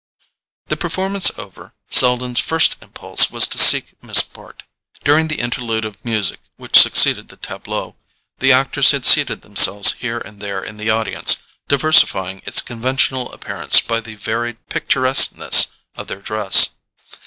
The performance over, Selden's first impulse was to seek Miss Bart. During the interlude of music which succeeded the TABLEAUX, the actors had seated themselves here and there in the audience, diversifying its conventional appearance by the varied picturesqueness of their dress.